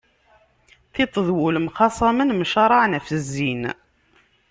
Tiṭ d wul mxaṣamen, mcaraɛen ɣef zzin.